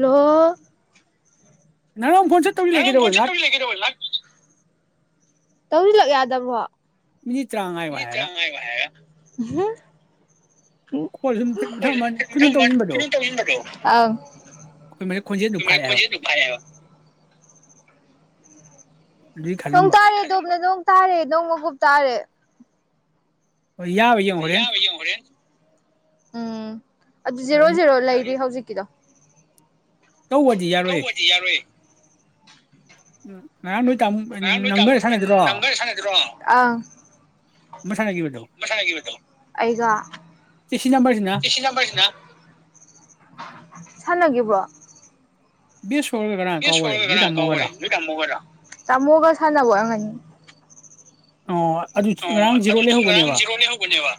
ꯂꯣ ꯅꯪ ꯑꯃꯨꯛ ꯐꯣꯟ ꯆꯠꯇꯧꯗꯤ ꯉꯔꯥꯡ ꯐꯣꯟ ꯂꯩꯒꯦꯗꯧꯕ ꯁꯠ ꯂꯥꯛ ꯇꯧꯁꯤꯜꯂꯛꯏ ꯀꯩꯗꯧꯕꯩ ꯂꯥꯛ ꯇꯧꯁꯤꯜꯂꯛ ꯌꯥꯗꯕꯣ ꯃꯤꯅꯤ ꯇꯔꯥꯉꯥꯏꯕꯒ ꯍꯥꯦ ꯀꯣꯜ ꯁꯨꯝ ꯃꯊꯪ ꯀꯩꯅꯣ ꯇꯧꯁꯤꯟꯕꯗꯣ ꯑꯥꯎ ꯑꯩꯈꯣꯏ ꯃꯁꯦ ꯈꯣꯟꯖꯦꯜꯗꯨ ꯃ ꯐꯥꯏ ꯍꯥꯏꯕ ꯈꯣꯏꯖꯤ ꯗꯨꯈꯥꯏ ꯑꯗꯨꯒꯤ ꯊꯣꯡ ꯈꯜꯂꯝꯕ ꯇꯥꯔ ꯗꯣꯡ ꯇꯥꯔꯦ ꯅꯣꯡꯃ ꯀꯨꯞ ꯇꯥꯔꯦ ꯍꯣꯏ ꯌꯥꯕ ꯌꯦꯡꯉꯣ ꯍꯣꯔꯦꯟ ꯎꯝ ꯑꯗꯨ ꯖꯦꯔꯣ ꯖꯦꯔꯣ ꯂꯩꯔꯤ ꯍꯧꯖꯤꯛ ꯀꯗ ꯇꯧꯕꯗꯤ ꯌꯥꯔꯣꯏꯌꯦ ꯀꯧꯖꯤ ꯌꯥꯔꯣ ꯎ ꯅꯥꯟ ꯑꯥꯡꯔꯣ ꯑꯁꯤ ꯑꯃ ꯁꯥꯟꯅꯈꯤꯕꯗꯣ ꯁꯤ ꯁꯤ ꯅꯝꯕꯔꯁꯤꯅ ꯁꯥꯟ ꯂꯒꯈꯤꯕ꯭ꯔ ꯁ ꯇꯥꯃꯣꯒ ꯁꯥꯟꯅꯕꯅꯤ ꯑꯣ ꯑꯗꯨ ꯑ ꯉꯔꯥꯡ ꯖꯤꯔꯣ ꯑꯗꯨ ꯂꯩꯍꯧꯕꯅꯦꯕ ꯖꯤꯔꯣꯅꯦ ꯍꯒꯅꯦꯕ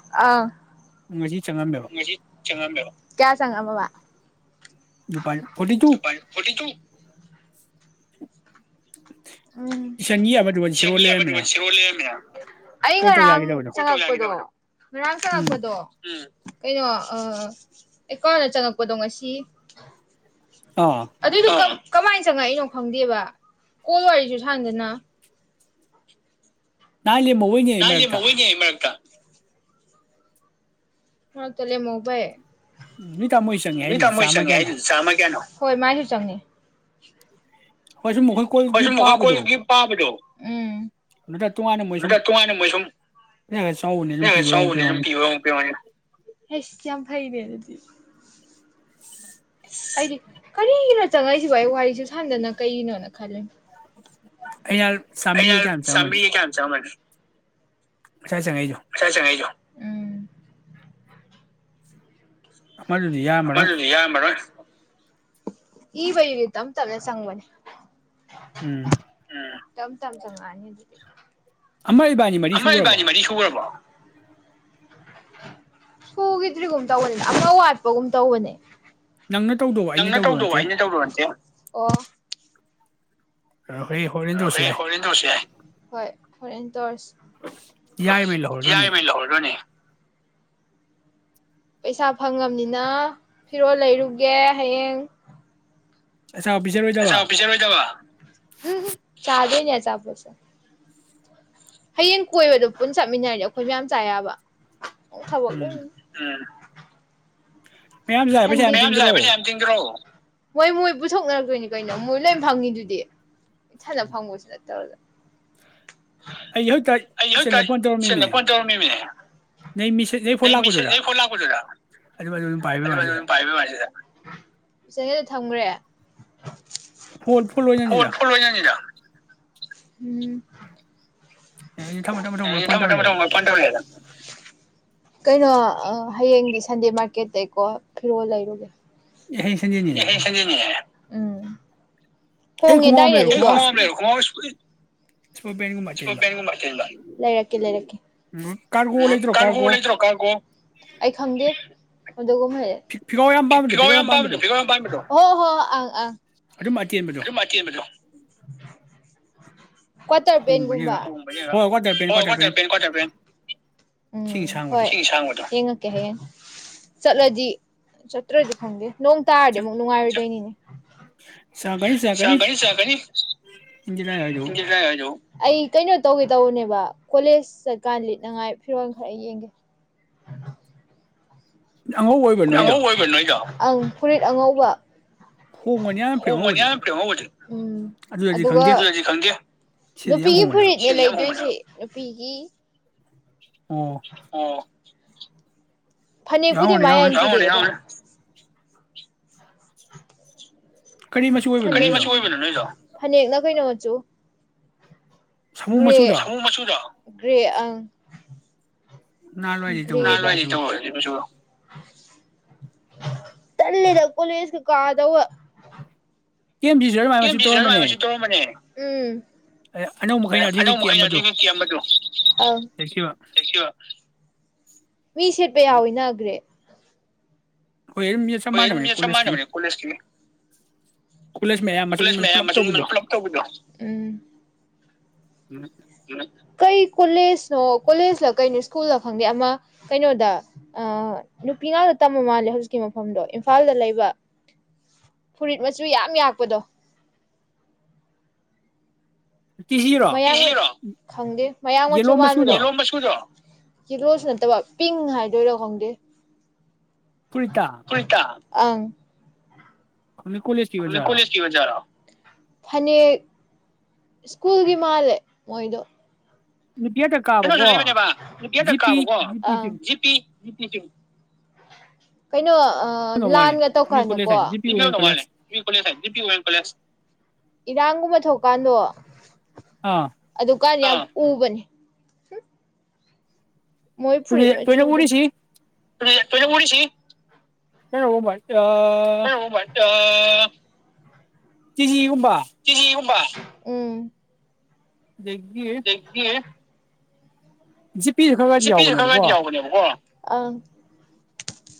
ꯉꯁꯤ ꯆꯪꯉꯝꯃꯦꯕ ꯀꯌꯥ ꯁ ꯃꯕꯥ ꯅꯨꯄꯥꯔ ꯐꯣꯇꯤ ꯇꯨ ꯇꯨ ꯎ ꯎꯝ ꯂꯩꯔꯝꯃꯤꯅ ꯑꯩ ꯀꯣꯜ ꯇꯧ ꯉꯔꯥꯡ ꯌꯥꯈꯤꯗꯕꯗꯣ ꯆꯪꯉꯛꯄꯗꯣ ꯉꯔꯥꯡ ꯎꯝ ꯆꯪꯉꯛꯄꯗꯣ ꯎ ꯀꯩꯅꯣ ꯑꯩ ꯀꯥꯟꯅ ꯆꯪꯉꯛꯄꯗꯣ ꯉꯁꯤ ꯑꯥ ꯑꯗꯨꯗ ꯀꯃꯥꯏꯅ ꯆꯪꯉꯛꯏꯅꯣ ꯈꯪꯗꯦꯕ ꯀꯣꯣꯏ ꯋꯥꯔꯤ ꯋꯥꯔꯤꯁꯨ ꯊꯥꯟꯗꯅ ꯀꯥ ꯂꯩꯃ ꯑꯣꯏꯅꯤ ꯑꯩ ꯃꯔꯛꯇ ꯎ ꯍ ꯇꯂꯦ ꯃꯣꯕꯥ ꯅꯣꯏ ꯇꯥꯃꯣꯏ ꯆꯪꯉꯦ ꯃꯤ ꯍꯥꯏꯗꯨꯗꯤ ꯇꯥꯃꯣꯣꯏ ꯆꯥꯝꯃ ꯆꯪꯉꯦ ꯀꯌꯥꯅꯣ ꯍꯥꯏ ꯆꯥꯝꯃ ꯀꯌꯥꯅꯣ ꯍꯣꯏ ꯃꯥꯏꯁꯨ ꯆꯪꯉꯦ [unintelligible] ꯍꯣꯏ ꯁꯨꯝ ꯑꯩꯈꯣꯏ ꯍꯣꯏ ꯀꯣꯜꯒꯤ ꯁꯨꯝ ꯃꯈꯣꯏ ꯄꯥꯕꯗꯣ ꯀꯣꯏꯕꯒꯤ ꯄꯥꯕꯗꯣ ꯎꯝ ꯅꯠꯇ꯭ꯔ ꯇꯣꯉꯥꯟꯅ ꯃꯣꯏ ꯁꯨꯝ ꯅꯠꯇ꯭ꯔ ꯇꯣꯉꯥꯟꯅ ꯃꯣꯏ ꯁꯨꯝ ꯄꯩꯁꯥ ꯈꯔ ꯆꯥꯎꯕꯅꯤ ꯑꯗꯨꯝ ꯄꯤꯕ ꯑꯃꯨꯛ ꯁꯅꯤ ꯁꯨꯝ ꯄꯤꯔꯝꯒꯅꯤ ꯄꯤꯛ ꯄꯤꯅꯦ ꯀꯁꯤ ꯐꯩꯔ ꯑꯗꯨꯗꯤ ꯀꯔꯤ ꯀꯔꯤꯂ ꯆꯪꯉꯏꯁꯤꯕꯨ ꯑꯩ ꯋꯥꯔꯤꯁꯨ ꯁꯥꯟꯗꯅ ꯀꯩꯅꯣꯅ ꯈ ꯑꯩꯅ ꯑ ꯆꯥꯝꯃꯔꯤꯒ ꯀꯌꯥꯝ ꯁ ꯆꯪꯉꯝꯃꯅꯤ ꯀꯌꯥꯝ ꯆꯃꯅꯤ ꯉꯁꯥꯏ ꯆꯪꯉꯛꯏꯗꯣ ꯪꯉꯣ ꯑꯃꯗꯨꯗꯤ ꯌꯥꯔꯝꯃꯔꯣꯏ ꯗꯤ ꯌꯥ ꯃꯥ꯭ꯔ ꯏꯕ ꯇꯝ ꯇꯝꯅ ꯆꯪꯕꯅꯦ ꯎꯝ ꯎꯝ ꯇꯞ ꯇꯞ ꯆꯪꯉꯛꯑꯅꯤ ꯑꯃꯔ ꯏꯕꯥꯏꯅꯤ ꯃꯔꯤ ꯑꯃ ꯁꯨꯈ꯭ꯔꯕꯣ ꯏꯕꯥꯅꯤ ꯃꯔꯤ ꯁꯨꯒ꯭ꯔꯕꯣ ꯁꯨꯈꯤꯗ꯭ꯔꯤꯒꯨꯝ ꯇꯧꯕꯅꯤꯅ ꯑꯃ ꯋꯥꯠꯄꯒꯨꯝ ꯇꯧꯕꯅꯦ ꯅꯪꯅ ꯇꯧꯗꯧꯕ ꯑꯩꯅ ꯅꯪꯅ ꯇꯧꯗꯧꯕ ꯅꯠꯇꯦ ꯑꯩꯅ ꯇꯧꯗꯣꯟꯁꯦ ꯑꯣ ꯍꯣꯔꯦꯟ ꯍꯣꯔꯦꯟ ꯍ ꯇꯧꯔꯁꯨ ꯌꯥꯏ ꯍꯔꯤꯟ ꯇꯁꯤ ꯌꯥꯥꯏ ꯐꯣꯔꯦꯟ ꯌꯥꯔꯤꯕꯩ ꯂꯧꯍꯧꯔꯗꯣꯏꯅꯤ ꯌꯥꯏꯉꯩ ꯂꯧꯔꯗꯣꯏꯅꯦ ꯄꯩꯁꯥ ꯐꯪꯉꯕꯅꯤꯅ ꯐꯤꯔꯣꯜ ꯂꯩꯔꯨꯒꯦ ꯍꯌꯦꯡ ꯑꯆꯥꯄꯣꯠ ꯄꯤꯖꯔꯣꯏꯗꯕ [inaudible] ꯆꯥꯗ꯭ꯔꯤ ꯅꯦ ꯆꯕꯁꯦ ꯍꯌꯦꯡ ꯀꯣꯏꯕꯗꯣ ꯄꯨꯟꯅ ꯆꯠꯃꯤꯟꯅꯔꯅꯤ ꯑꯩꯈꯣꯏ ꯃꯌꯥꯝ ꯆꯥꯌꯥꯕ ꯑꯣ ꯊꯕꯣ ꯎꯝ ꯃꯌꯥꯝ ꯆꯥꯏ ꯄꯩꯁꯥ ꯌꯥꯝ ꯌꯥꯝꯁꯦ ꯇꯤꯡꯗ꯭ꯔꯣ ꯑ ꯊꯤꯡꯒꯤ ꯔꯣ ꯍꯣꯏ ꯃꯣꯏ ꯄꯨꯊꯣꯛꯅꯔꯛꯇꯣꯏꯅꯤ ꯀꯩꯅꯣ ꯃꯣꯏ ꯂꯣꯏꯅ ꯐꯪꯉꯤꯗꯨꯗꯤ ꯊꯠꯅ ꯐꯪꯉꯣꯏꯁꯨ ꯅꯠꯇ ꯇꯧꯔꯗ ꯑꯩ ꯍꯧꯖꯤꯛꯇ ꯑꯩ ꯍꯧꯖꯤꯛꯇ ꯏꯆꯦꯟꯅ ꯐꯣꯟ ꯏꯆꯟꯗ ꯇꯧꯔꯝꯃꯤꯕꯅꯦ ꯐꯣꯟ ꯇꯧꯔꯝꯃꯤꯃꯤ ꯅꯣꯏ ꯃꯤꯁꯦ ꯅ ꯐꯣꯟ ꯅꯪ ꯂꯥꯛꯄꯗꯨꯗ ꯑꯗꯨ ꯄꯥꯏꯕꯩ ꯋꯥꯅꯤꯁꯤꯗ ꯑꯗꯨ ꯄꯥꯏꯕꯤ ꯃꯥꯦꯗ ꯊꯝꯈ꯭ꯔꯦ ꯐꯜ ꯐꯜ ꯑꯣꯏꯖꯅꯤꯡꯗ ꯎꯝ ꯑꯦ ꯑꯩ ꯊꯝꯃ ꯊꯝꯃ ꯊꯝꯃ ꯑꯩ ꯐꯣꯟ ꯊꯝꯃꯣ ꯊꯝꯃꯣ ꯇꯧꯔꯛꯑꯦꯗ ꯊꯝꯃꯣ ꯐꯣꯟ ꯇꯧꯔꯛꯑꯦꯗ ꯀꯩꯅꯣ ꯍꯌꯦꯡꯒꯤ ꯁꯟꯗꯦ ꯃꯥꯔꯀꯦꯠꯇꯇꯩꯒꯤꯀꯣ ꯐꯤꯔꯣꯜ ꯂꯩꯔꯨꯒꯦ ꯑꯦ ꯍꯌꯦꯡ ꯁꯟꯗꯦꯅꯤꯅꯦ ꯩꯁꯅꯤꯅꯤ ꯍꯥꯏ ꯎꯝ ꯑꯩ ꯍꯣꯡꯦ ꯈꯣꯡꯒ꯭ꯔꯥꯎ ꯑꯃ ꯗꯥꯏꯔ ꯂꯩꯔꯣ ꯈꯣꯡꯒ꯭ꯔꯥꯎ ꯏꯁꯄꯣꯔꯠ ꯄꯦꯟꯒꯨꯝꯕ ꯑꯇꯦꯟꯕ ꯂꯩꯔꯛꯀꯦ ꯂꯩꯔꯛꯀꯦ ꯎꯝ ꯀꯥꯔꯒꯣ ꯂꯩꯇ꯭ꯔꯣ ꯎ ꯀꯥꯔꯒꯣ ꯂꯩ꯭ꯔꯣ ꯑꯩ ꯈꯪꯗꯦ ꯑꯗꯨꯒꯦꯤꯤ ꯐꯤꯒꯥꯎ ꯌꯥꯝ ꯄꯥꯝꯕꯗꯣ ꯐꯤꯒꯥꯎ ꯌꯥꯝ ꯄꯥꯝꯕꯗꯣ ꯑꯣ ꯑꯥ ꯑꯥ ꯑꯗꯨꯝ ꯃ ꯆꯦꯟꯕꯗꯣ [inaudible] ꯭ꯇ ꯄꯦꯟꯒꯨꯝꯕ ꯍ ꯍꯣꯏ ꯀ꯭ꯋꯥꯇꯔ ꯄꯦꯟ ꯀ꯭ꯋꯥꯇꯔ ꯄꯦꯟ ꯎꯝ ꯁꯤꯡ ꯁꯥꯡꯕꯗꯣ ꯍꯣꯏꯗꯡꯉꯛꯀꯦ ꯍꯌꯦꯡ ꯆꯠꯂꯖꯤ ꯆꯠꯇ꯭ꯔꯖꯤ ꯈꯪꯦ ꯅꯣꯡ ꯇꯥꯔꯗꯤ ꯑꯃꯨꯛ ꯅꯨꯡꯉꯥꯏꯔꯣꯏꯗꯣꯏꯅꯤꯅꯦ ꯆꯥꯛꯀꯅꯤ ꯆꯥꯛꯀꯅꯤ ꯏꯟꯗꯤꯔꯥ ꯍꯥꯏꯗꯨ ꯀꯩꯅꯣ ꯇꯧ ꯇꯧꯅꯦꯕ ꯀꯣꯂꯦꯖ ꯆꯠꯀꯥꯟ ꯂꯤꯠꯅꯉꯥꯏ ꯐꯤꯔꯣꯜ ꯈꯔ ꯌꯦꯡꯒꯦ ꯑꯉꯧꯕ ꯑꯣꯏꯕ꯭ꯔꯥ ꯉꯕꯨ ꯅꯣꯏꯗꯣ ꯑꯣꯏꯣꯏꯕ ꯅꯣꯏ ꯆꯥꯎ ꯑꯪ ꯐꯨꯔꯤꯠ ꯑꯉꯧꯕ ꯍꯣꯡꯕꯅꯤ ꯌꯥꯝ ꯐ꯭ꯔꯦ ꯍꯣꯡꯅꯤ ꯑꯉꯧꯕꯗꯤ ꯎꯝ ꯑꯗꯨꯗꯗꯤ ꯑꯗꯨꯒꯦ ꯈꯪꯗꯦ ꯅꯨꯒꯤ ꯐ ꯁꯤꯗꯤ ꯌꯥꯝ ꯍꯣꯡꯕꯅꯦ ꯍꯥꯏꯕ ꯐ ꯑꯣ ꯑꯣ [inaudible] ꯐꯅꯤꯦꯛ ꯄꯨꯗꯤ ꯌꯥꯎꯔꯝꯒꯅꯤ ꯃꯥꯌꯥ ꯌꯥꯎꯔꯝꯒꯅꯤ ꯀꯔꯤ ꯃꯆꯨ ꯀ ꯑꯣꯏꯕꯅꯣ ꯅꯣꯏꯗꯣ ꯑꯣꯏꯣꯏꯕꯅ ꯅꯣꯏꯗꯣ ꯐꯅꯦꯛꯅꯈꯣꯏꯩꯅꯣ ꯃꯆꯨ ꯁꯥꯃꯨ ꯒ꯭ꯔꯦ ꯃꯆꯨꯗꯣ ꯃꯆꯗ ꯒ꯭ꯔꯦ ꯑꯪ ꯅꯍꯥꯟꯋꯥꯏꯗꯩ [inaudible] ꯇꯧꯔꯗꯤ ꯃꯆꯨ ꯇꯅꯤꯗ ꯀꯣꯂꯁ ꯀ ꯀꯥꯗꯧꯕ ꯀꯦꯝ ꯖꯤꯁꯤꯗ ꯑꯗꯨꯃꯥꯏ ꯃꯆ ꯇꯧꯔꯝꯕꯅꯦ ꯎꯝ ꯑꯅꯧꯕ ꯃꯈꯩꯅ ꯑꯗꯨ ꯑꯅꯧꯕ ꯃꯈꯩꯅ ꯈꯛꯀꯤꯝꯕꯗꯨ ꯑꯗꯨꯏ ꯐꯤꯐꯇꯤ ꯑꯃꯗꯣ ꯑꯪ ꯂꯩꯈꯤꯕ ꯃꯤ ꯁꯦꯠꯄ ꯌꯥꯎꯋꯤ ꯅꯅꯥꯈ꯭ꯔꯦ ꯍꯣꯏ ꯑꯗꯨꯝ ꯆꯞ ꯍꯣꯏ ꯑꯗꯨꯝ ꯃꯥꯟꯅꯕꯅꯦ ꯆꯞ ꯀꯣꯂꯦꯖꯀꯤ ꯃꯥꯟꯅꯕꯅꯦ ꯀꯣꯂꯦꯖꯀꯤ ꯀꯣꯂꯦꯖ ꯃꯌꯥꯝ ꯃꯆꯨ ꯀꯣꯂꯦꯖ ꯃꯆꯨ ꯃꯌꯥꯝ ꯄꯨꯂꯞ ꯑꯃꯁ ꯇꯧꯕꯗꯣ ꯄꯨꯂꯞ ꯇꯧꯕꯤꯗꯣ ꯎ ꯀꯩ ꯀꯣꯂꯦꯖꯅꯣ ꯀꯣꯂꯦꯖꯅ ꯀꯩꯅꯣ ꯁ꯭ꯀꯨꯜꯅ ꯈꯪꯗꯦ ꯑꯃ ꯀꯩꯅꯣꯗ ꯅꯨꯄꯤ ꯉꯥꯛꯇ ꯇꯝꯃ ꯃꯥꯜꯂꯦ ꯍꯧꯖꯤꯛꯀꯤ ꯃꯐꯝꯗꯣ ꯏꯝꯐꯥꯜꯗ ꯂꯩꯕ ꯐꯨꯔꯤꯠ ꯃꯆꯨ ꯌꯥꯝ ꯌꯥꯛꯄꯗꯣ ꯇꯤꯖꯤꯔꯣ ꯃꯌꯥ ꯈꯪꯒꯦ ꯃꯌꯥꯝ ꯃꯆꯨ ꯌꯦꯂꯣ ꯃꯆꯨꯗꯣ ꯃ ꯌꯦꯂꯣꯁꯨ ꯅꯠꯇꯕ ꯄꯤꯡ ꯍꯥꯏꯗꯣꯏꯔꯥ ꯈꯪꯗꯦ ꯄꯨꯔꯤꯇꯥ ꯐꯨꯔꯤꯠꯇ ꯑꯪ ꯀꯣꯂꯦꯖꯀꯤ ꯑ ꯑꯣꯖꯥꯔꯣ ꯀꯣꯂꯦꯖꯀꯤꯕꯖꯥꯔ ꯐꯅꯦꯛ ꯁ꯭ꯀꯨꯜꯒꯤ ꯃꯥꯜꯂꯦ ꯃꯣꯏꯗꯣ ꯅꯨꯄꯤ ꯉꯥꯛꯇ ꯀꯩꯅꯣꯁꯨ ꯀꯥꯕꯀꯣ ꯂꯩꯕꯅꯦꯕ ꯅꯨꯄꯤ ꯑꯇꯛ ꯖꯤꯄꯤ ꯀꯥꯕꯀꯣ ꯖꯤꯄꯤꯁꯤ ꯖꯤꯄꯤꯤ ꯀꯩꯅꯣ ꯎꯗꯧ ꯃꯥꯜꯂꯦ ꯂꯥꯟꯒ ꯖꯤꯄꯤ ꯀꯣꯂꯦꯖ ꯇꯧꯀꯥꯟꯗꯀꯣ ꯍꯥꯏꯗꯤ ꯖꯤꯄꯤ ꯑꯣꯏ ꯀꯣꯂꯦꯖ ꯏꯔꯥꯡꯒꯨꯝꯕ ꯊꯣꯛ ꯀꯥꯟꯗꯣ ꯑꯥ ꯒꯥꯔꯤ ꯌꯥꯝ ꯎꯕꯅꯦ ꯎꯝ ꯃꯣꯏ ꯐꯨꯔꯤ ꯑꯗꯨꯗꯤ ꯃ ꯇꯣꯏꯅ ꯆꯗꯣ ꯎꯔꯤꯁꯤ ꯀꯩꯅꯣ ꯑꯥ ꯑꯥ ꯇꯤꯖꯤ ꯇꯤꯖꯤꯒꯨꯝꯕ ꯎꯝ ꯑꯗꯒꯤ ꯑꯗꯒꯤ ꯖꯤꯄꯤꯁꯨ ꯈꯔ ꯈꯔꯗꯤ ꯖꯤꯄꯤꯁꯨ ꯈꯔ ꯌꯥꯎꯕꯅꯦꯕꯀꯣ ꯈꯔꯗꯤ ꯌꯥꯎꯕꯅꯦꯕꯀꯣ ꯑꯪ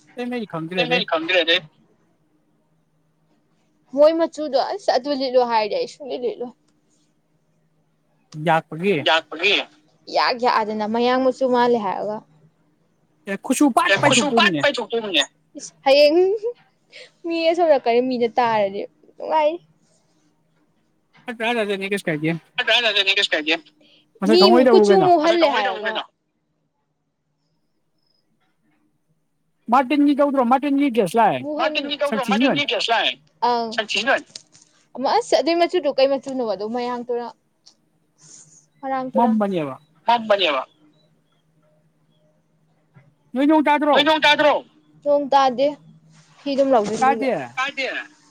ꯑꯇꯩ ꯃꯩꯗꯤ ꯈꯪꯗ꯭ꯔꯦ ꯑꯗꯩ ꯑꯇꯩꯃꯗꯤ ꯈꯡꯗꯔꯦ ꯑꯗꯩ ꯃꯣꯏ ꯃꯆꯨꯗꯣ ꯑꯁ ꯑꯗꯨ ꯂꯤꯠꯂꯣ ꯍꯥꯏꯔꯗꯤ ꯑꯩ ꯁꯨꯂꯤꯠ ꯂꯤꯠꯂꯣꯏ ꯌꯥꯛꯄꯒꯤ ꯌꯥꯛꯄꯒꯤ ꯏꯌꯥꯛ ꯌꯥꯛꯑꯗꯅ ꯗꯅ ꯃꯌꯥꯡ ꯃꯨꯆꯨ ꯃꯥꯜꯂꯤ ꯍꯥꯏꯔꯒ ꯈꯨꯠꯁꯨ ꯄꯥꯠ ꯀꯨꯠꯆꯨ ꯐꯠ ꯄꯥꯏꯊꯣꯛꯇꯣꯏꯅꯤꯅꯦ ꯄꯥꯏꯊꯣꯛꯇꫭꯏꯅꯤꯅꯦ ꯃꯤ ꯑꯁꯣꯝ ꯅꯀꯟꯒꯤ ꯃꯤꯅ ꯇꯥꯔꯗꯤ ꯅꯨꯡꯉꯥꯏꯅꯤ ꯅꯠꯇ꯭ꯔ ꯅꯠꯇ꯭ꯔꯅꯦ ꯀꯩꯁꯨ ꯀꯥꯏꯗꯦ ꯀꯩꯁꯨ ꯀꯥꯏꯗꯦ ꯃꯁꯛ ꯃꯤ ꯈꯪꯉꯣꯏꯗꯕꯨ ꯀꯨꯆꯨ ꯀꯩꯅꯣ ꯃꯨꯍꯜꯂꯦ ꯍꯥꯏꯔꯒ ꯃꯥꯔꯇꯤꯟꯒꯤ ꯇꯧꯗꯔ꯭ꯣ ꯃꯥꯔꯇꯤꯟꯒꯤ ꯗꯔ꯭ꯦꯁ ꯃꯥꯔꯇꯤꯟꯒꯤ ꯇꯧꯗꯔ꯭ꯣ ꯃꯥꯔꯇꯤꯟꯒꯤ ꯗꯔ꯭ꯦꯁ ꯑꯥꯎ ꯁꯛꯊꯤꯖꯤꯟꯕꯅꯤ ꯑꯃ ꯑꯁ ꯑꯗꯨꯏ ꯃꯆꯨꯗꫭ ꯀꯩ ꯃꯆꯨꯅꯣꯕ ꯑꯗꯨ ꯃꯔꯥꯡ ꯇꯨꯔꯥꯡ ꯃꯔꯥꯡ ꯇꯨꯔꯥꯡ ꯃꯝꯕꯅꯦꯕ ꯅꯣꯏ ꯅꯣꯡ ꯇꯥꯗ꯭ꯔꯣ ꯅꯣꯏ ꯅꯣꯡ ꯇꯥꯗꯔ꯭ꯣ ꯅꯣꯡ ꯇꯗꯦ [unintelligible] ꯐꯤꯗꯨꯝ ꯂꯧꯖꯤꯟꯂꯨꯒꯦ ꯇꯥꯗꯦ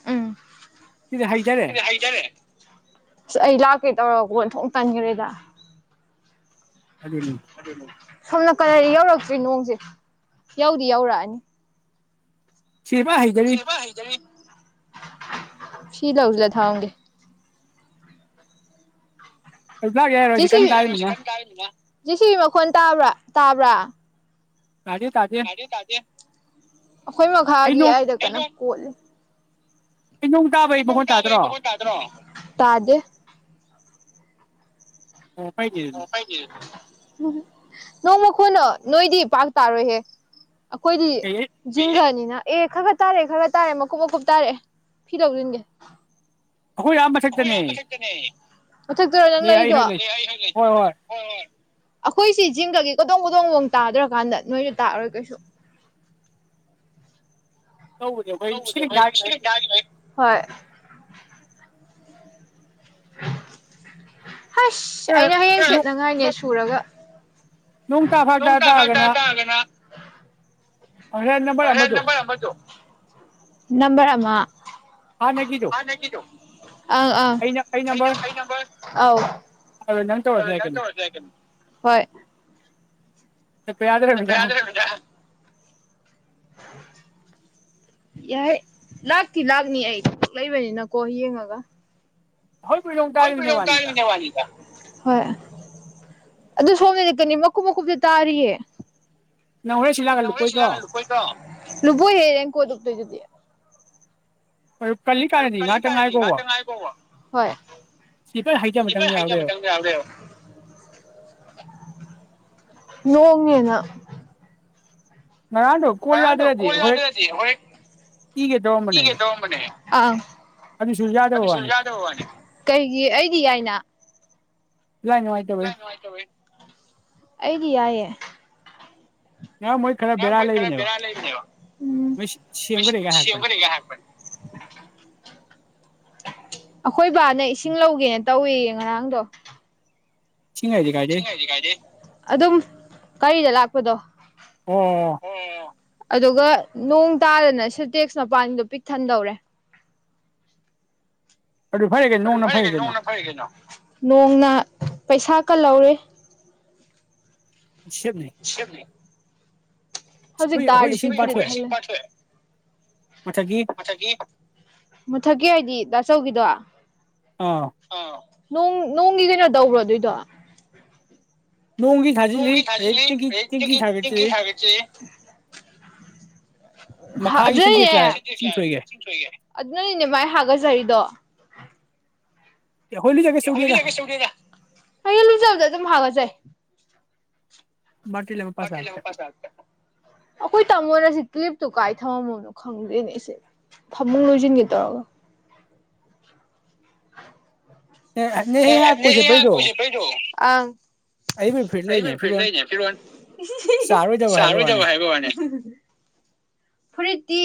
ꯎꯝ ꯁꯤꯗꯤ ꯍꯩꯊꯔꯦ ꯁꯤꯗꯗꯤ ꯍꯩꯗꯥꯔꯦ ꯑꯁ ꯑꯩ ꯂꯥꯛꯀꯦ ꯇꯧꯔꯒ ꯀꫭ ꯑꫭꯟꯊꯣꯛ ꯇꯟꯈ꯭ꯔꯦꯗ ꯑꯗꯨꯅꯤ ꯑꯗꯨꯅꯦ ꯁꯣꯝ ꯅꯀꯜꯗꯤ ꯌꯧꯔꯛꯇ꯭ꯔꯤ ꯅꯣꯡꯁꯦ ꯌꯧꯗꯤ ꯌꯧꯔꯛꯑꯅꯤ ꯁꯤꯕꯥ ꯍꯩꯗꯔꯤ ꯁꯤꯗ ꯎꯖꯤꯜꯂ ꯊꯝꯃꯝꯒꯦ ꯑꯩ ꯂꯥꯛ ꯌꯥꯏꯔꯣꯏ ꯁꯤ ꯀꯟꯅ ꯇꯥꯔꯤꯃꯤꯅ ꯁꯤꯁꯤꯟ ꯇꯥꯕ꯭ꯔꯥ ꯇꯥꯕ꯭ꯔꯥ ꯇꯥꯗꯦ ꯇꯥꯗꯦ ꯑꯩꯈꯣꯏ ꯑꯩ ꯃꯈꯥꯒꯤ ꯅꯣꯡ ꯑꯗ ꯀꯩꯅꯣ ꯀꯣꯠꯂꯤ ꯑꯩ ꯅꯣꯡ ꯇꯥꯕꯩ ꯃꯈꯣꯟ ꯇꯥꯗ꯭ꯔꯣ ꯇꯥꯗꯦ ꯑꯣ ꯐꯩꯅꯦ ꯑꯗꯨꯗꯤ ꯑꯣ ꯐꯩꯅꯦ ꯑꯗꯨꯗꯤ ꯎꯝ ꯅꯣꯡ ꯃꯈꯣꯏꯅ ꯅꯣꯏꯗꯤ ꯄꯥꯛ ꯇꯥꯔꯣꯏꯍꯦ ꯑꯩꯈꯣꯏꯗꯤ ꯑꯦ ꯑꯩ ꯖꯤꯡꯒꯅꯤ ꯑꯦ ꯈꯔ ꯇꯥꯔꯦ ꯈꯔ ꯇꯥꯔꯦꯀꯨꯞ ꯃꯀꯨꯞ ꯇꯥꯔꯛꯑꯦ ꯐꯤ ꯂꯧꯁꯤꯟꯒꯦ ꯑꯩꯈꯣꯏ ꯌꯥꯝ ꯃꯊꯛꯇꯅꯦ ꯃꯊꯛꯇꯔ ꯅꯪ ꯂꯩ ꯑꯩ ꯂꯩꯔꯦꯗꯣ ꯍꯣꯏ ꯂꯩ ꯍꯣꯏ ꯍꯣꯏ ꯑꯩꯈꯣꯏꯁꯤ ꯆꯤꯡꯒꯒꯤ ꯀꯣꯗꯣꯡ ꯀꯣꯗꯣꯡ ꯂꯑꯣꯣꯡ ꯇꯥꯗ꯭ꯔꯀꯥꯟꯗ ꯅꯣꯏꯁꯨ ꯇꯥꯛꯑꯔꯣꯏ ꯀꯩꯁꯨ ꯇꯧꯕꯅꯦ ꯑꯩꯈꯣꯏ [unintelligible] ꯁꯤꯂꯤꯡ ꯊꯥꯈꯤꯕꯩ ꯍꯣꯏ [unintelligible] ꯍꯁ ꯑꯦ ꯑꯩꯅ ꯍꯌꯦꯡ ꯅꯣꯡ ꯁꯦꯠꯅꯉꯥꯏꯅꯦ ꯄꯨꯔꯒ ꯅꯣꯡ ꯇꯥ ꯐꯥꯖ ꯇꯗꯥꯅꯥ ꯑꯖ ꯅꯝꯕꯔ ꯍꯣꯔꯦꯟ ꯃꯗꯨ ꯅꯝꯕꯔ ꯑꯃꯗꯣ ꯅꯝꯕꯔ ꯑꯃ ꯍꯥꯅꯒꯤꯗꯨ ꯑꯩ ꯑꯩꯅ ꯅꯝꯕꯔ ꯑꯩ ꯅꯨꯝꯕꯔ ꯑꯗ ꯑꯗꯣ ꯅꯪ ꯇꯧꯔꯁꯨ ꯌꯥꯏ ꯑꯗꯨꯝ ꯀꯩꯅꯣ ꯇꯧꯔꯥꯛ꫰ꯑꯗ ꯆꯠꯄ ꯌꯥꯗꯔ꯭ꯕꯅꯤꯅꯥ ꯌꯥꯏ ꯂꯥꯛꯇꯤ ꯂꯥꯛꯅꯤ ꯑꯩ ꯂꯩꯕꯅꯤꯅꯀꯣ ꯌꯦꯡꯉꯒ ꯍꯣꯏꯕꯣꯜ ꯅꯣꯡ ꯑꯩꯈꯣꯏ ꯇꯔꯅꯦ ꯀꯨꯏꯔꯝ ꯋꯥꯅꯤꯗ ꯀꯥꯏꯔꯤꯕꯅꯦ ꯋꯥꯅꯤꯗ ꯍꯣꯏ ꯑꯗꯨ ꯁꯣꯝꯅꯗꯤ ꯀꯅꯤ ꯃꯀꯨꯞ ꯃꯀꯨꯞꯇ ꯇꯥꯔꯤꯌꯦ ꯅꯪ ꯍꯣꯔꯦꯟ ꯁꯤ ꯂꯧꯔ꯭ꯁꯨ ꯂꯥꯛꯍꯜꯂꯨꯀꯣꯏꯗ꯭ꯔꯣ ꯌꯥꯏꯔꯦ ꯂꯨꯞꯄꯣꯏꯍꯦ ꯀꯣꯏꯗꯛꯇ ꯂꯨꯞꯇꯣꯏꯗꯨꯗꯤ ꯍꯣꯏ ꯀꯜꯂꯤꯀꯥꯟꯗꯗꯤ ꯀꯜꯂꯤ ꯉꯥꯛꯇꯪ ꯀꯥꯏꯗꯤ ꯉꯥꯏꯈꯣꯕ ꯉꯇꯪꯕ ꯁꯤ ꯐꯖꯅ ꯍꯩꯊꯕ ꯃꯇꯝ ꯌꯥꯎ ꯍꯥꯏꯖ ꯂꯩꯔꯦ ꯆꯪꯗ ꯌꯥꯎꯗ ꯅꯣꯡꯉꯦꯅ ꯉꯔꯥꯡꯗꯣ ꯀꯣꯜ ꯉꯥꯡꯗꯣ ꯌꯥꯗ꯭ꯔꯗꯤ ꯍꯣꯔꯦꯟ ꯇꯧꯔꯝꯕꯅꯦ ꯏꯒꯦ ꯇꯧꯔꯝꯕꯅꯦ ꯑꯗꯨꯁꯨ ꯌꯥꯗꯕ ꯋꯥꯅꯤ ꯂꯥꯏ ꯅꯨꯡꯉꯥꯏꯇꯕꯩ ꯑꯗꯤ ꯌꯥꯏ ꯑꯩꯗꯤ ꯌꯥꯏꯌꯦ ꯉꯔꯥꯡ ꯃꯣꯏ ꯈꯔ ꯑ ꯕꯦꯔꯥ ꯃꯣꯏ ꯂꯩꯕꯅꯦꯕ ꯈꯔ ꯦꯔ ꯂꯩꯕ ꯃꯣꯏ ꯁꯦꯝꯈꯔꯦꯒ ꯍꯥꯏꯔꯛꯄꯅꯦ ꯁꯤꯅꯤꯒꯄ ꯑꯩꯈꯣꯏ ꯕꯥꯅ ꯏꯁꯤꯡ ꯂꯧꯒꯦꯅꯦ ꯇꯧꯏꯌꯦ ꯉꯔꯥꯡꯗꯣ ꯏꯁꯤꯡ ꯍꯥꯏꯗꯤ ꯀꯥꯏꯗꯩ ꯑꯗꯨ ꯀꯔꯤꯗ ꯂꯥꯛꯄꯗꯣ ꯑꯣ ꯑꯣ ꯑꯗꯨꯒ ꯅꯣꯡ ꯇꯥꯗꯅ ꯁꯤ ꯇꯦꯛꯁ ꯃꯄꯥꯟꯗꯣ ꯄꯤꯛ ꯊꯟꯗꯧꯔꯦ ꯐꯔꯦ ꯀꯩꯅꯣ ꯑꯗꯨ ꯅꯣꯡꯅ ꯐꯔꯦ ꯐꯔ ꯀꯩꯅꯣ ꯅꯣꯡꯅ ꯐꯔꯦ ꯀꯩꯅꯣ ꯅꯣꯡꯅ ꯄꯩꯁꯥ ꯀ ꯂꯧꯔꯦ ꯁꯦꯞꯅꯤ ꯁꯤꯕꯅꯦ ꯍꯧꯖꯤꯛ ꯑꯩꯈꯣꯏ ꯑꯩꯈꯣꯏ ꯇꯥꯗꯤ ꯄꯤ ꯏꯁꯤꯡ ꯄꯥꯊꯣꯛꯑꯦ ꯃꯊꯛꯀꯤ ꯃꯊꯛꯀꯤ ꯍꯥꯏꯗꯤ ꯑꯆꯧꯒꯤꯗ ꯑꯥ ꯅꯣꯡꯒꯤ ꯀꯩꯅꯣ ꯇꯧꯕ꯭ꯔꯣ ꯑꯗꯨꯣꯏꯗꯣ ꯅꯣꯡꯒꯤ ꯊꯥꯖꯤꯜꯂꯤ ꯣꯡꯒꯤꯖꯤ ꯑꯗꯩ ꯇꯦꯡꯀꯤ ꯇꯦꯡꯀꯤ ꯊꯥꯒꯠꯂꯤ ꯃꯈꯥꯒꯤ ꯁꯦꯟꯇꯦꯛꯁ ꯂꯥꯛꯑꯦ ꯏꯁꯤꯡ ꯊꯣꯛꯏꯈꯩ ꯑꯗꯨ ꯑꯗꯨꯅꯅꯤꯅꯦ ꯃꯥꯏ ꯍꯥꯒꯠꯆꯔꯤꯗꯣ ꯑꯩꯈꯣꯏ ꯂꯨꯖ ꯀꯩꯁꯨ ꯇꯧꯗꯦꯗ ꯗ ꯑꯗꯨꯝ ꯃꯥꯒꯖ ꯕꯥꯜꯇꯤꯟ ꯑꯃ ꯄꯥꯁ ꯂꯥꯛꯄꯗ ꯣꯏ ꯇꯃꯣꯁꯤ ꯀꯦꯞꯇꯨ ꯀꯥꯏ ꯊꯝꯃꯝꯃꯣꯅꯣ ꯈꯪꯗꯦꯅꯦ ꯑꯩꯁꯦ ꯐꯃꯨꯡ ꯂꯣꯏꯁꯤꯟꯒꯦ ꯇꯧꯔꯒ ꯅꯦ ꯍꯦꯍꯥꯛ [inaudible] ꯅ ꯀꯣꯏ ꯑꯩꯍꯥꯛ ꯆꯠꯄꯩꯗꯣ ꯀꯨꯏꯁꯦ ꯀꯩꯗꯣ ꯑ ꯐꯨꯔꯤꯠ ꯑꯩꯕꯨ ꯂꯩꯅꯦ ꯐꯤꯔꯤ ꯐꯤꯔꯣꯟ ꯂꯩꯅꯦ ꯐꯤꯔꯣꯜ ꯆꯥꯔꯣꯏꯗꯕ ꯍꯥꯏꯕ ꯋꯥꯅꯤ ꯐꯨꯔꯤꯠꯇꯤ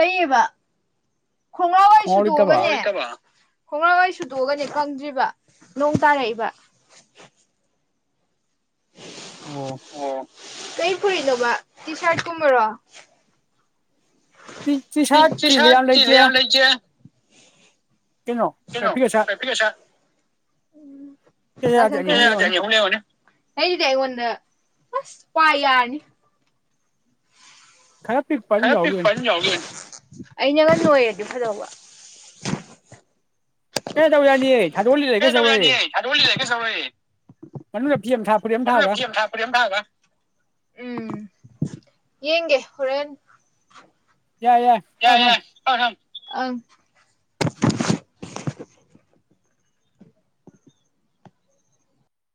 ꯂꯩꯌꯦꯕ ꯈꯣꯡꯂꯥ ꯋꯥꯏ ꯈꯣꯡꯒ꯭ꯔꯥꯎ ꯂꯩꯇꯕ ꯁꯨꯗꯣꯛꯑꯒꯅꯤ ꯈꯣꯡꯡꯂꯥꯡ ꯍꯏ ꯁꯨꯇꯣꯛꯑꯒꯅꯤ ꯈꯪꯗ꯭ꯔꯤꯕ ꯅꯣꯡ ꯇꯥꯔꯛꯏꯕ ꯑꯣ ꯇ ꯄꯨꯔꯤꯅꯣꯕ ꯇꯤ ꯁꯔꯇ ꯀꯃ ꯔꯣ ꯄꯤ ꯁꯥꯠ ꯆꯤ ꯂꯩ ꯁꯥꯔꯠ ꯌꯥꯝꯅ ꯂꯩꯁꯦ ꯊꯩꯅꯣ ꯄ ꯁꯥꯔꯠ ꯀꯁ ꯌꯥꯗꯦ ꯑꯅꯤ ꯑꯍꯨꯝ ꯂꯩꯔꯝꯒꯅꯤ ꯎꯝ ꯍꯩꯗꯉꯟ ꯑꯁ ꯄꯥꯏꯌꯥꯔꯅꯤ ꯈꯔ ꯄꯤꯛꯄ ꯑꯗꯨꯝ ꯈꯔ ꯌꯥꯎꯈꯤꯕꯅꯤ ꯄꯤꯛꯄ ꯑꯃ ꯌꯥꯎꯔꯤꯌꯦ ꯑꯩꯅꯒ ꯅꯣꯏꯔꯦ ꯐꯗꯧꯕ ꯀꯦꯅꯣꯇꯧ ꯌꯥꯗꯦꯌꯦ ꯀꯩꯅꯣꯇꯧ ꯌꯥꯅꯤꯌꯦ ꯊꯗꯣꯛꯑꯂꯤꯠꯂꯗꯤ ꯀꯩꯁꯨꯇꯧꯔꯣꯏꯌꯦ ꯃꯅꯨꯡꯗ ꯐꯤ ꯑꯃ ꯊꯥ ꯐꯨꯔꯤꯠ ꯃꯅꯨꯡꯗ ꯊꯥꯕ ꯐꯤ ꯑꯃ ꯊꯥꯔꯒ ꯐꯨꯔꯤꯠ ꯑꯃ ꯊꯥꯔꯒ ꯌꯦꯡꯒꯦ ꯍꯣꯔꯦꯟ ꯌꯥꯏ ꯌꯥꯏ ꯊꯝꯃꯣ ꯌꯥꯔꯦ ꯊꯝꯃꯣ ꯌꯥꯔꯦ ꯊꯝꯃꯣ ꯊꯝꯃꯣ ꯎꯝ